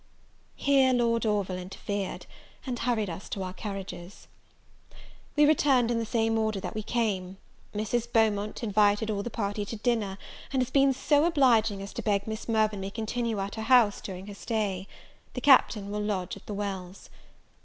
Here Lord Orville interfered, and hurried us to our carriages. We returned in the same order we came. Mrs. Beaumont invited all the party to dinner, and has been so obliging as to beg Miss Mirvan may continue at her house during her stay. The Captain will lodge at the Wells.